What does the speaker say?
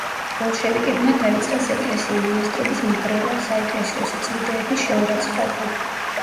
ბოლშევიკებმა დაიწყეს ეკლესია-მონასტრების ნგრევა, საეკლესიო სიწმიდეების შეურაცხყოფა.